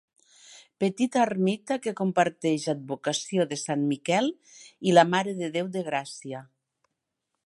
Petita ermita que comparteix advocació de Sant Miquel i la Mare de Déu de Gràcia.